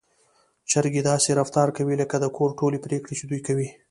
چرګې داسې رفتار کوي لکه د کور ټولې پرېکړې چې دوی کوي.